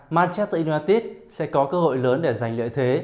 manchester united sẽ có cơ hội lớn để giành lợi thế